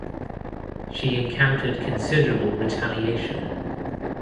She encountered considerable retaliation.